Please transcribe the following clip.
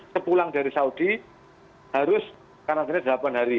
sepulang dari saudi harus karena ternyata delapan hari